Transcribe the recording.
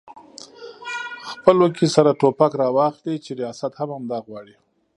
خپلو کې سره ټوپک راواخلي چې ریاست هم همدا غواړي؟